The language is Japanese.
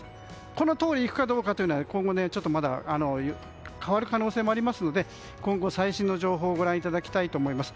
このとおりいくかどうかは今後、まだ変わる可能性もありますので今後、最新の情報をご覧いただきたいと思います。